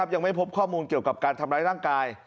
ยังไม่พบข้อมูลเกี่ยวกับการทำร้ายร่างกาย